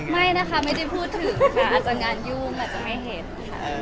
ไม่นะคะไม่ได้พูดถึงค่ะอาจจะงานยุ่งอาจจะไม่เห็นค่ะ